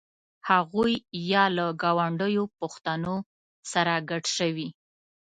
هغوی یا له ګاونډیو پښتنو سره ګډ شوي.